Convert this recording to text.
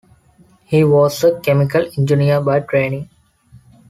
He was a chemical engineer by training.